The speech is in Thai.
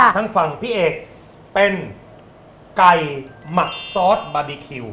ทางฝั่งพี่เอกเป็นไก่หมักซอสบาร์บีคิว